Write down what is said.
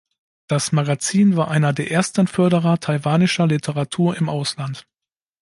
Das Magazin war einer der ersten Förderer taiwanischer Literatur im Ausland.